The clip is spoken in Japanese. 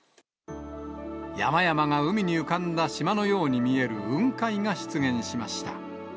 山々が海に浮かんだ島のように見える雲海が出現しました。